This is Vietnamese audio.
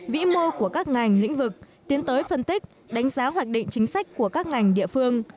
vĩ mô của các ngành lĩnh vực tiến tới phân tích đánh giá hoạch định chính sách của các ngành địa phương